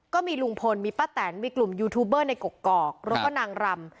ก็มีลุงพลมีป้าแตนมีกลุ่มยูทูบเบอร์ในกกอกแล้วก็นางรำ